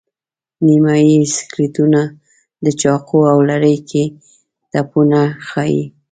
نیمایي سکلیټونه د چاقو او لرګي ټپونه ښيي.